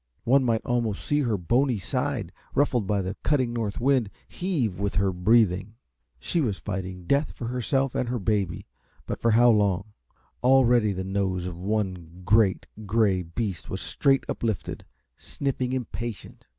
One might almost see her bony side, ruffled by the cutting north wind, heave with her breathing. She was fighting death for herself and her baby but for how long? Already the nose of one great, gray beast was straight uplifted, sniffing, impatient.